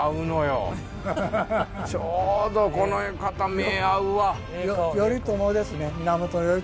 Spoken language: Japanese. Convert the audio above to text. ちょうどこの方目ぇ合うわ。